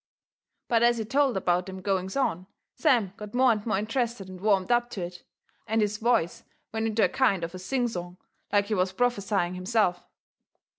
But as he told about them goings on Sam got more and more interested and warmed up to it, and his voice went into a kind of a sing song like he was prophesying himself.